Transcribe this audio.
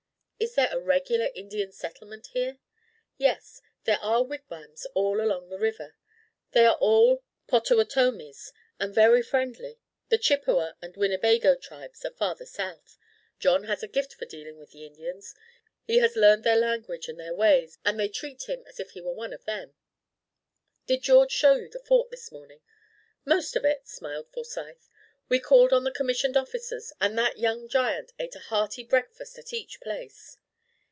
"Is there a regular Indian settlement here?" "Yes, there are wigwams all along the river. They are all Pottawattomies and very friendly. The Chippewa and Winnebago tribes are farther north. John has a gift for dealing with the Indians. He has learned their language and their ways, and they treat him as if he were one of them. Did George show you the Fort this morning?" "Most of it," smiled Forsyth. "We called on the commissioned officers and that young giant ate a hearty breakfast at each place."